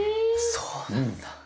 そうなんだ。